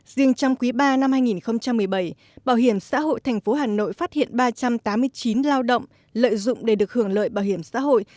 riêng trong quý ba năm hai nghìn một mươi bảy bảo hiểm xã hội tp hà nội phát hiện ba trăm tám mươi chín lao động lợi dụng để được hưởng lợi bảo hiểm xã hội